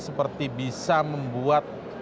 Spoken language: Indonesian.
seperti bisa membuat